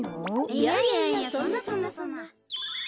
いやいやいやそんなそんなそんな。